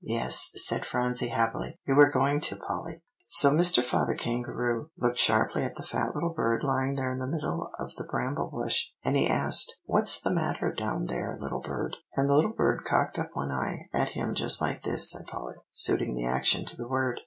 "Yes," said Phronsie happily; "you were going to, Polly." "So Mr. Father Kangaroo looked sharply at the fat little bird lying there in the middle of the bramble bush; and he asked, 'What's the matter down there, little bird?' [Illustration: "What's the matter down there?" asked Mr. Kangaroo.] "And the little bird cocked up one eye at him just like this," said Polly, suiting the action to the word.